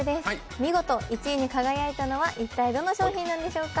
見事１位に輝いたのは一体どの商品なんでしょうか。